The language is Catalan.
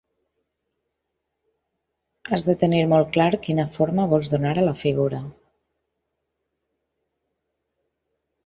Has de tenir molt clar quina forma vols donar a la figura.